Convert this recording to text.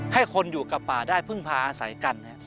ให้คนอยู่กับป่าได้พึ่งพาอาศัยกัน